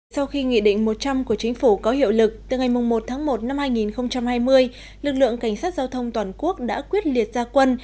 sau khi nghị định một trăm linh của chính phủ có hiệu lực từ ngày một tháng một năm hai nghìn hai mươi lực lượng cảnh sát giao thông toàn quốc đã quyết liệt ra quân